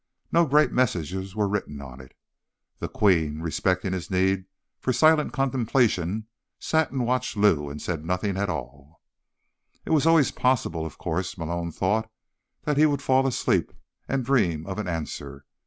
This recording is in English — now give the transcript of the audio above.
No great messages were written on it. The Queen, respecting his need for silent contemplation, sat and watched Lou and said nothing at all. It was always possible, of course, Malone thought, that he would fall asleep and dream of an answer.